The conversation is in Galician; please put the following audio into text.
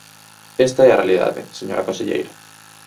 Esta é a realidade, señora conselleira.